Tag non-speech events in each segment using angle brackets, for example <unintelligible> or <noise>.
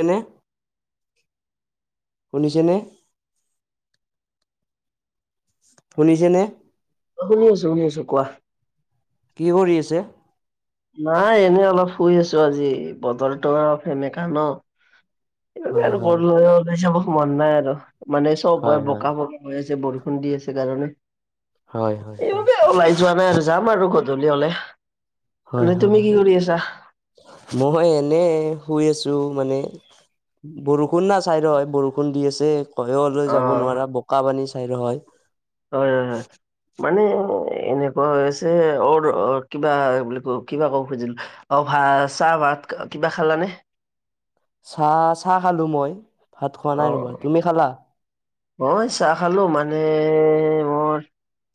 এনে। শুনিছেনে? শুনিছেনে? অ', শুনি আছো- শুনি আছো, কোৱা? কি কৰি আছে? নাই এনেই অলপ শুই আছোঁ আজি বতৰটো অলপ সেমেকা ন? স হয় আৰু হয় গৰু ওলাই যাব মন নাই আৰু মানে চব হয় বোকা ব হৈ আছে বৰষুণ দি আছে কাৰণে। হয়-হয়-হয়। এইবাবে ওলাই যোৱা নাই আৰু যাম আৰু গধূলি হলে। এনে তুমি কি হয়-হয়-হয়, কৰি আছা? মই এনে, শুই আছোঁ মানে বৰষুণ না চাই ৰ হয় বৰষুণ দি আছে কয়লৈ অ যাব নোৱাৰা বোকা পানী চাই ৰ হয়। হয়' হয়' হয়। মানে এনেকুৱা হৈ আছে আৰু কিবা বুলি ক কিবা ক'ব খুজিল অ ভাত, চাহ, ভাত কিবা খালানে? চাহ-চাহ খালোঁ মই, ভাত খোৱা নাই ৰবা অ তুমি খালা? মই চাহ খালো মানে মোৰ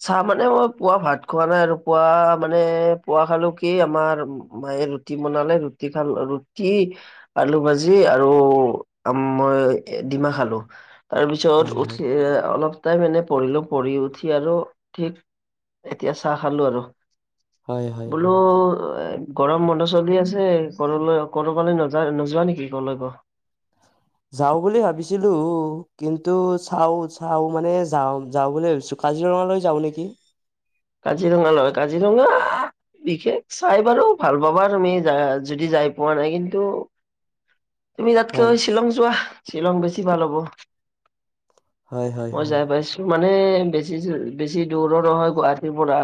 চাহ মানে মই পুৱা ভাত খোৱা নাই আৰু পুৱা মানে পুৱা খালো কি আমাৰ মায়ে ৰুটি বনালে ৰুটি খাল ৰুটি আলু ভাজি আৰু মই এ ডিমা খালো তাৰ পিছত হয় হয় উঠি এ অলপ তাই মানে পঢ়িলোঁ পঢ়ি উঠি আৰু ঠিক এতিয়া চাহ খালোঁ আৰু। হয় হয় বোলো হয় গৰম বন্ধ চলদি আছে। কলৈ ক'ৰবালৈ নোযোৱা নেকি কলৈকো? যাওঁ বুলি ভাবিছিলো কিন্তু চাও-চাও মানে যাওঁ-যাওঁ বুলি ভাবিছো। কাজিৰঙালৈ যাওঁ নেকি। কাজিৰঙালৈ কাজিৰঙা বিশেষ চাই বাৰু ভাল পাবা তুমি যদি যাই পোৱা নাই। কিন্তু তুমি হয় তাতকৈ শ্বিলং যোৱা, শ্বিলং বেছি ভাল হ'ব। হয় হয় মই হয় যাই পাইছো মানে বেছি-বেছি দূৰো নহয় গুৱাহাটীৰ পৰা।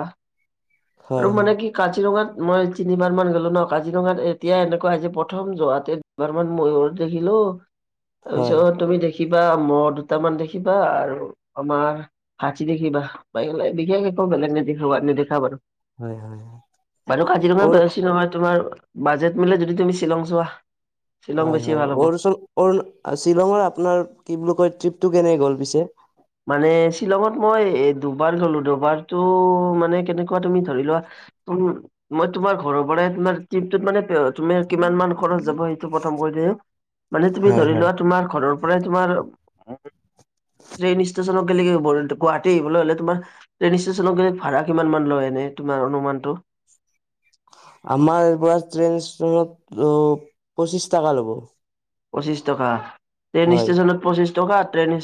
আৰু হয় হয় মানে কি কাজিৰঙাত মই তিনিবাৰ মান গ'লো ন' কাজিৰঙাত এতিয়াই এনেকুৱা হৈছে প্ৰথম যোৱাতে দুবাৰমান ময়ুৰ দেখিলো। <unintelligible> তাৰপিছত তুমি দেখিবা ম'হ দুটামান দেখিবা আৰু আমাৰ হাতী দেখিবা। বিষেশ একো বেলেগ নেদেখা-নেদেখা বাৰু। হয় হয় হয় বাৰু কাজিৰঙা অ বেছি নহয় তোমাৰ- বাজেট মিলাই যদি তুমি শ্বিলং যোৱা। শ্বিলং বেছি ভাল হ'ব। হয়-হয়। শ্বিলঙৰ আপোনাৰ কি বুলি কয় ট্ৰিপটো কেনে গ'ল পিছে? মানে শ্বিলঙত মই এই দুবাৰ গ'লো, দুবাৰটো মানে কেনেকুৱা তুমি ধৰি লোৱা উমঁ। মই তোমাৰ ঘৰৰ পৰাই তোমাৰমটোত মানে তুমি কিমান মান খৰচ যাব সেইটো প্ৰথম কৈ দিয়া। মানে তুমি হয় ধৰি হয় লোৱা তোমাৰ ঘৰৰ পৰাই তোমাৰ টেইনষ্টেচন কে গুৱাহাটী আহিবলৈ হ'লে তোমাৰ ট্ৰেইন ষ্টেচনক গ'লে ভাড়া কিমান মান লয় এনেই তোমাৰ অনুমানটো? আমাৰ এইয়াৰ পৰা ট্ৰেইন ষ্টেশচনত পঁচিছ টকা ল'ব। পঁচিশ টকা। ট্ৰেইন হয় ষ্টেশচনত পঁচিশ টকা ট্ৰেইন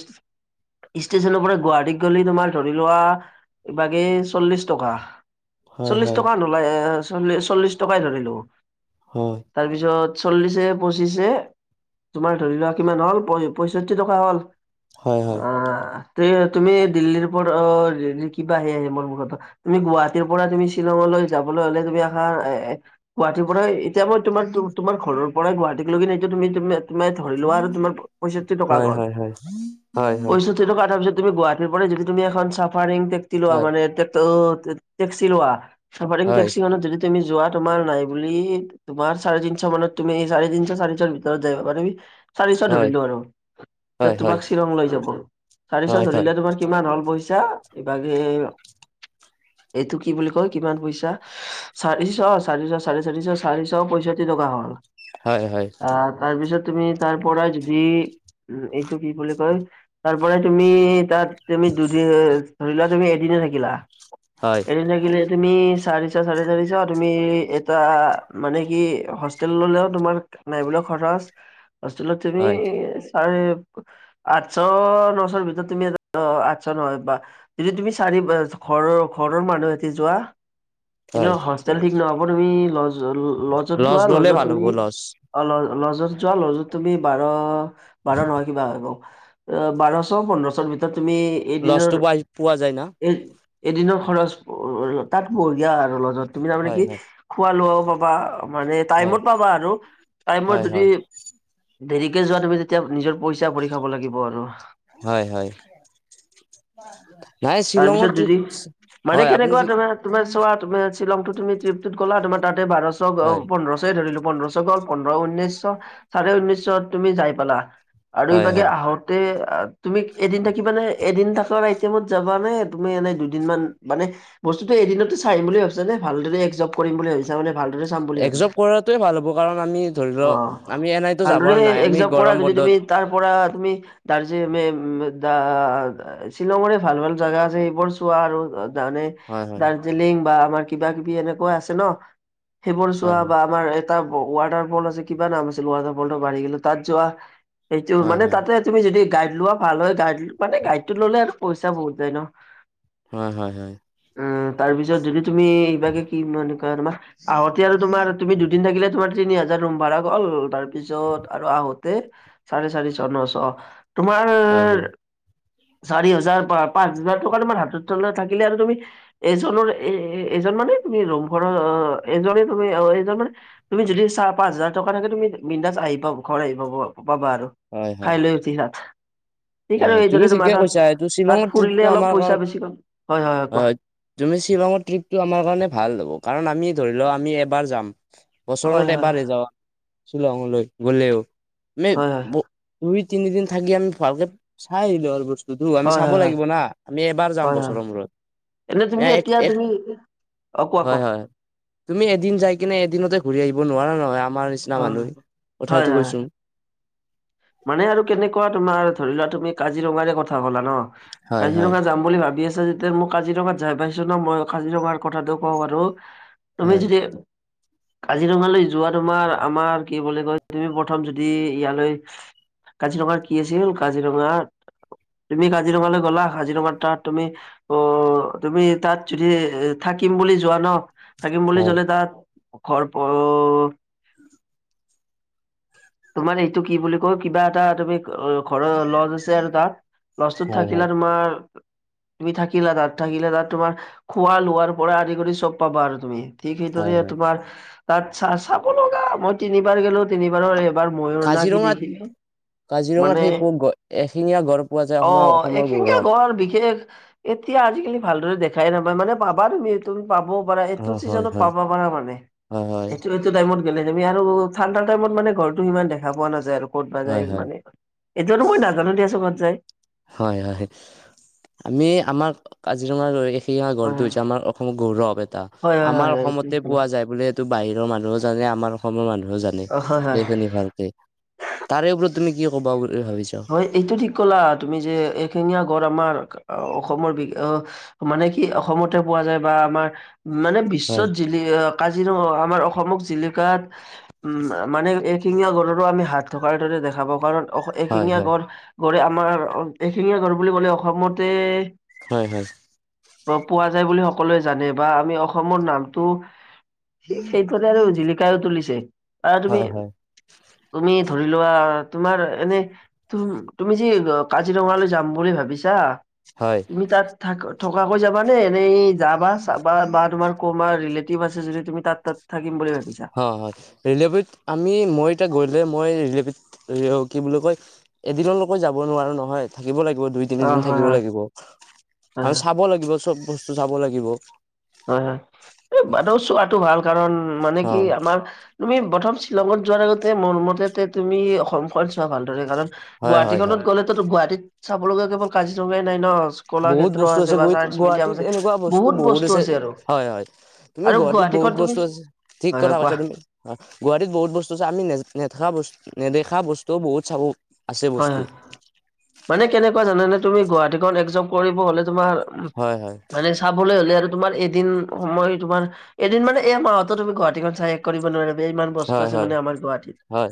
ষ্টেশচনৰ পৰা গুৱাহাটীত গ'লে তোমাৰ ধৰি লোৱা কিবাকে চল্লিশ টকা। হয় চল্লিশ হয় টকা নলয় এ' চল্লিশ টকাই ধৰিলো। হয়। তাৰ পিছত চল্লিশে-পঁচিশে তোমাৰ ধৰি লোৱা কিমান হ'ল পয়ষষ্ঠি টকা হ'ল। হয় হয় আ তুমি দিল্লীৰ ওপৰত অ দিল্লীৰ কিবা আহে আছে মোৰ মুৰত তুমি গুৱাহাটীৰ পৰা তুমি শ্বিলংঙলৈ যাবলৈ হ'লে তুমি আহা এ গুৱাহাটীৰ পৰাই এতিয়া মই তোমাৰ তোমাৰ ঘৰৰ পৰাই গুৱাহাটীক লৈকে ন' এই তুমি তুমি ধৰি লোৱা আৰু তোমাৰ পয়ষষ্ঠি টকা হয় গ'ল। হয় হয় হয় হয় পয়ষষ্ঠি সেইটো কাৰণে তাৰপিছত তুমি গুৱাহাটীৰ পৰা যদি তুমি এ' চাফাৰিং টেক্সি লোৱা হয় মানে অ টেক্সি লোৱা চাফাৰিং হয় টেক্সিখনত যদি তুমি যোৱা তোমাৰ নাই বুলি তোমাৰ চাৰেতিনশ মানত, তুমি চাৰি তিনশ চাৰি ভিতৰত যাব পাৰিবি চাৰিশ হয় ধৰিলো আৰু। হয় যে হয় হয় তোমাক শ্বিলং লৈ যাব। চাৰিশত হয় হয় ধৰিলে তোমাৰ কিমান হ'ল পইচা? এইভাগে এইটো কি বুলি কয় কিমান পইচা? চাৰিশ চাৰিশ চাৰেি চাৰিশ চাৰিশ পঁয়ষষ্ঠি টকা হ'ল৷ হয় হয় আহ তাৰপিছত তুমি তাৰ পৰা যদি উমঁ। এইটো কি বুলি কয় তাৰপৰাই তুমি তাত তুমি দুদিন ধৰি লোৱা তুমি এদিনে থাকিলা। হয়। এৰি থাকিলে তুমি চাৰিশ, চাৰে চাৰিশ তুমি এটা মানে কি হোষ্টেললেও তোমাৰ নাই বোলো খৰচ হোষ্টেলত তুমি হয় চাৰে আঠশ নশৰ ভিতৰত তুমি এ' আঠশ নহয় বা যদি তুমি চাৰি ঘৰৰ-ঘৰৰ মানুহ সেতি যোৱা কিন্তু হয় হোষ্টেল ঠিক নহ'ব তুমি লজ-লজ ত লজ যোৱা ল'লে লজত ভাল হ'ব তুমি লজ অ লজ লজত যোৱা লজত তুমি বাৰ বাৰ নহয় কিবা হব৷ বাৰশ পোন্ধৰ চৰ ভিতৰত তুমি লজটো এদিনৰ পাই পোৱা যায় না এ এদিনৰ খৰচ তাত বঢ়িয়া আৰু লজত তুমি তাৰমানে হয় কি হয় খোৱা লোৱাও পাবা মানে হয় টাইমত পাবা আৰু৷ টাইমত হয় যদি হয় দেৰিকে যোৱা তুমি য এতিয়া নিজৰ পইচা ভৰি খাব লাগিব আৰু৷ হয় হয় নাই শ্বিলঙৰ তাৰপিছত ট্ৰিপ যদি মানে হয় আপুনি কেনেকুৱা তমাৰ তোমাৰ চোৱা তুমি শ্বিলংটো তুমি ট্ৰিপটোত গলা তোমাৰ তাতে বাৰশ হয় পোন্ধৰশই ধৰিলো পোন্ধৰ শ গল৷ পোন্ধৰ ঊনৈশ শ চাৰে ঊনৈশ শ ত তুমি যাই পালা আৰু হয় ইভাগে হয় আহো তে তুমি এদিন থাকিব নে এদিন থাক আৰু এ টি এমত যাবা নে তুমি এনে দুদিন মান মানে বস্তুটো এদিনতে চাই আহিম বুলি ভাবিচা নে ভালদৰে এবসৰ্ভ কৰিম বুলি ভাবিচা মানে ভালদৰে চাম বুলি ভাবিচা? সটোৱে ভাল হ'ব কাৰণ আমি ধৰি লওক আমি এনেইতো ভালদৰে যাবৰ নাই আমি একজাপ কৰা গৰম যদি বন্ধত তুমি তাৰ পৰা তুমি দাৰজি উম মে দা শ্বিলঙৰে ভাল ভাল জাগা আছে এইবোৰ চোৱা আৰু৷ তাৰনে হয় হয় দাৰ্জিলিং বা আমাৰ কিবা কিবি এনেকুৱা আছে ন৷ সেইবোৰ হয় চোৱা বা আমাৰ এটা ৱাটাৰ ফল আছে কিবা নাম আছিল ৱাটাৰ ফলটো পাৰহি গলো তাত যোৱা৷ সেইটো হয় মানে হয় তাতে তুমি যদি গাইড লোৱা ভাল হয় গাইড মানে গাইডটো ল'লে আৰু পইচা বহুত যায় ন৷ হয়-হয়-হয় উম তাৰপিছত যদি তুমি এইবাকে কি মানে তোমাৰ চাওতে আৰু তোমাৰ তুমি দুদিন থাকিলে তোমাৰ তিনি হাজাৰ ৰুম ভাড়া গ'ল তাৰ পিছত আৰু আহোতে চাৰে চাৰিশ নশ৷ তোমাৰ হয় হয় হয় চাৰি হাজাৰ প পাঁচ হাজাৰ টকা তোমাৰ হাতত ত থাকিলে আৰু তুমি এজনৰ এ এজন মানে তুমি ৰুমঘৰ এজনে তুমি এইজন মানে তুমি যদি চাৰ পাঁচ হাজাৰ টকা থাকে তুমি বিন্দাজ আহি পা ঘৰ আহি পাব৷ পাবা আৰু হয় হয় খাই লৈ উঠি তাত৷ ঠিক আৰু হয় তুমি এইদৰে ঠিকে তোমাৰ কৈছা তাত, এইটো শ্বিলঙৰ তাত ট্ৰিপটো ফুৰিলে অলপ আমাৰ কাৰ পইচা বেছি গ'ল হয়-হয়-হয় হয় কোৱা৷ তুমি শ্বিলঙৰ ট্ৰিপটো আমাৰ কাৰণে ভাল হ'ব কাৰণ আমি ধৰি লোৱা আমি এবাৰ যাম৷ বছৰ ৰ হয় মূৰত হয় এবাৰেই যাাৱা শ্বিলঙলৈ গ'লেও ম হয় হয় দুই তিনিদিন থাকি আমি ভালকে চাই আহিলে হল বস্তুটো আমি হয় হয় চাব হয় লাগিব না৷ আমি এবাৰ যাম বছৰৰ মূৰত৷ এনেই তুমি এক এতিয়া এক তুমি অ হয় কোৱা-কোৱা৷ হয় তুমি এদিন যাই কিনে এদিনতে ঘূৰি আহিব নোৱাৰা নহয় আমাৰ নিচিনা অ মানুহে হয় কথাটো হয় হয়। কৈছো৷ মানে আৰু কেনেকুৱা তোমাৰ ধৰি লোৱা তুমি কাজিৰঙাৰে কথা ক'লা ন৷ হয় হয় কাজিৰঙা যাম বুলি ভাবি আছা যেতি তে মই কাজিৰঙাত যাই পাইিছো ন মই কাজিৰঙাৰ কথাটো কওঁ বাৰো তুমি হয় যদি কাজিৰঙালৈ যোৱা তোমাৰ আমাৰ কি বুলি কয় তুমি প্ৰথম যদি ইয়ালৈ কাজিৰঙাৰ কি আছিল কাজিৰঙা তুমি কাজিৰঙালৈ গ'লা কাজিৰঙা তাত তুমি অ তুমি তাত যদি এ থাকিম বুলি যোৱা ন। থাকিম বুলি হয় জ'লে তাত ঘৰ প। তোমাৰ এইটো কি বুলি কয় কিবা এটা তুমি ঘৰৰ লজ আছে আৰু তাত। লজটোত হয় হয় থাকিলা তোমাৰ তুমি থাকিলা তাত থাকিলা তাত তোমাৰ খোৱা লোৱাৰ পৰা আদি কৰি চব পাবা আৰু তুমি৷ ঠিক হয় সেইদৰে হয়। তোমাৰ তাত চা চাব লগা মই তিনিবাৰ গলো তিনিবাৰৰ এ ময়ুৰ না কি কাজিৰঙাত দেখি৷ কাজিৰঙাত মানে সেই প এশিঙীয়া গড় পোৱা যায় আমাৰ অহ অসমৰ এখেঙীয়া গৌৰৱ। গড় বিশেষ এতিয়া আজিকালি ভালদৰে দেখাই নাপায় মানে পাবা তুমি৷ তুমি পাব পাৰা এইটো অ' হয় চিজনত হয় পাবা পাৰা মানে হয় হয় এইটো টাইমত গলে যি আৰু ঠাণ্ডা টাইমত মানে ঘৰৰতটো ইমান দেখা পোৱা নাযায় আৰু ক'তব হয় যায় মানে। এইতিয়াো মই নাজানো দিয়া চকত যায়। হয়-হয় আমি আমাৰ কাজিৰঙালৈ সেই হয় আাগৰটো যে আমাৰ অসমৰ গৌৰৱ এটা। হয়। হয় হয় হয় আমাৰ হয় এইটো ঠিক অসমতে ক'লা। পোৱা যায় বুলি এইটো বাহিৰৰ মানুহও জানে আমাৰ অসমৰ মানুহেও জানে। অ হয় হয় সেইখিনি ভালকে তাৰেপৰত তুমি কি কবা বুলি ভাবিছা। হয় এইটো ঠিক কলা তুমি যে এখেঙীয়া গডৰ় আমাৰ অ অসমৰ বি মানে কি অসমতে পোৱা যায় বা আমাৰ মানে হয় বিশ্বত যি কাজিৰঙা আমাৰ অসমক জিলিকাত উম মানে এইশিঙীয়া গৰুৰো আমি হাত থকাৰ দৰে দেখা পা কাৰণ। হয় এশিঙীয়া হয় গৰ গডৰে আমাৰ এশিঙীয়া গড় বুলি ক'লে অসমতে। হয়-হয়। পোৱা যায় বুলি সকলোৱে জানে বা আমি অসমৰ নামটো দেশত আৰু জিলিকা ৰ তুলিছে। আহ তুমি হয় হয়। - তুমি ধৰি লোৱা তোমাৰ এনে তুমি তুমি যে কাজিৰঙালৈ যাম বুলি ভাবিছা হয় তুমি তাত। থ থকাকৈ যাবা নে এনেই যাবা চাবা বা তোমাৰ ক'বাৰ ৰিলেটিভ আছে যদি তুমি তাত তাত। থাকিম বুলি ভাবিছা। হয়, হয় ৰেলেবিত আমি মই এতিয়া গ'লে মই ৰিলেবিত কি বুলি কয়। এদিনলৈকে যাব নোৱাৰো নহয় থাকিব লাগিব দুই অ তিনিদিন হয় থাকিব লাগিব। হয় আৰু হয় চাব লাগিব চব বস্তু চাব লাগিব। হয়, হয় এই বাদদেউ চোৱাটো ভাল কাৰণ মানে কি হয় আমাৰ। তুমি প্ৰথম শ্বিলঙত যোৱাৰ আগতে মোৰ মতে তুমি অসমখন চোৱা ভালদৰে কাৰণ। হয় হয় গুৱাহাটীখনত হয় গ'লেতো গুৱাহাটীত চাব লগা কেৱল কাজিৰঙাই নাই ন। বহুত কলাক্ষেত্ৰ বস্তু আছে বা গৈ চাইন্স মিউজিয়াম গুৱাহাটীত আছে এনেকুৱা বস্তু বহুত। আছে আৰু হয়, হয় তুমি আৰু গুৱাহাটীত গুৱাহাটীখন বহুত তুমি বস্তু আছে ঠিক হয় হয় কথা কোৱা কৈছা তুমি। গুৱাহাটীত বহুত বস্তু আছে আমি নে নেদেখা নেদেখা বস্তু বহুত চাব। আছে হয়, বস্তু হয় মানে কেনেকুৱা জানোনে তুমি গুৱাহাটীখন একজক কৰিব হলে তোমাৰ। হয় হয় মানে চাবলৈ হ'লে আৰু তোমাৰ এদিন সময় তোমাৰ এদিন মানে এ মাহতো তুমি গুৱাহাটীখন চাই কৰিব নোৱাৰিবা। ইমান বস্তু হয় আছে হয় মানে আমাৰ গুৱাহাটীত হয়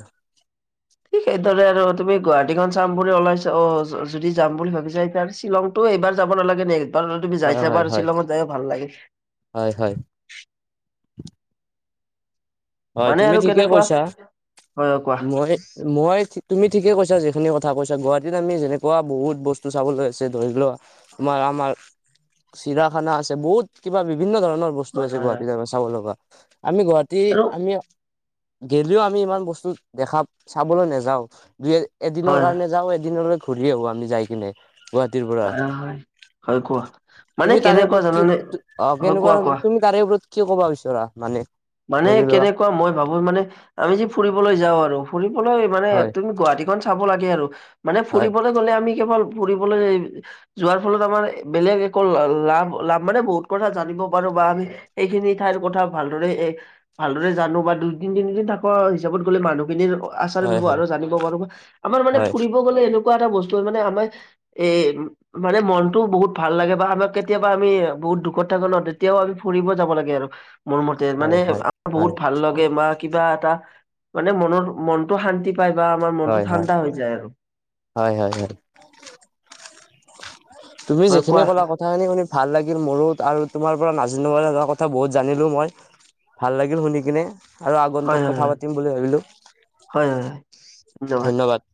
সেইদৰে আৰু। তুমি গুৱাহাটীখন চাম বুলি ওলাইছা অ' যদি যাম বুলি ভাবিছা এতিয়া শ্বিলংটো এইবাৰ যাব নালাগে নেকি। তুমি যাই হয় চাবা হয় আৰু হয় শ্বিলঙত যায়ো ভাল লাগে। হয়, হয়। হয়, মানে তুমি আৰু ঠিকে কেনেকুৱা কৈছা হয় হয় কোৱা মই। মই তুমি ঠিকে কৈছা যিখিনি কথা কৈছা গুৱাহাটীত আমি যেনেকুৱা বহুত বস্তু চাবলৈ আছে ধৰি লোৱা। আমাৰ আমাৰ চিৰাখানা আছে বহুত কিবা বিভিন্ন ধৰণৰ বস্তু। বস্তু হয় আছে হয় হয় গুৱাহাটীত আম চাব লগা আমি গুৱাহাটী। আৰু আমি গেলেও আমি ইমান বস্তু দেখা চাবলৈ নাযাও দুই এদিনৰ হয় কাৰণে যাওঁ এদিন ঘূৰি আহো আমি যাই কিনে গুৱাহাটীৰ পৰা। হয় হয় হয় কোৱা মানে তুমি তাৰে কেনেকুৱা ওপৰত কি জানানে অ ' হয় কেনেকুৱা কোৱা কোৱা ধৰণৰ তাৰে ওপৰত কি ক'ব বিচৰা মানে। মানে ধৰি লোৱা কেনেকুৱা মই ভাবো মানে আমি যে ফুৰিবলৈ যাওঁ আৰু ফুৰিবলৈ মানে হয় তুমি গুৱাহাটী। চাব লাগে আৰু মানে হয় ফুৰিবলৈ গ'লে আমি কেৱল ফুৰিবলৈ। যোৱাৰ ফলত আমাৰ বেলেগ একো লাভ -লাভ মানে বহুত কথা জানিব পাৰো বা আমি। এইখিনি ঠাইৰ কথা ভালদৰে। ভালদৰে জানো বা দুইদিন তিনিদিন থকা হিচাপত গ'লে মানুহখিনিৰ। আচাৰ হয় হয় ব্যৱহাৰ জানিব পাৰো বা আমাৰ মানে হয় ফুৰিব গ'লে এনেকুৱা এটা বস্তু মানে আমাৰ। এই। মানে মনটোও বহুত ভাল লাগে বা আমাক কেতিয়াবা আমি বহুত দুখত থাকো ন' তেতিয়াও আমি ফুৰিব যাব লাগে আৰু। মোৰ মতে মানে হয় হয় আমাৰ বহুত ভাল লগাগে বা কিবা এটা মানে মনৰ। মনতো শান্তি পাই বা আমাৰ মনতটো হয় হয় হয় ঠাণ্ডা হৈ যায় আৰু। হয় হয় হয়। তুমি হয় যিখিনি কোৱা ক'লা কথা। কথা খিনি শুনি ভাল লাগিল মোৰো আৰু তোমাৰ পৰা নাজানিব কথা বহুত জানিলো মই। ভাল লাগিল শুনি কিনে। আৰু হয় আগন্তুক হয় কথা হয় পাতিম বুলি ভাবিলো হয় হয় হয় ধন্যবাদ।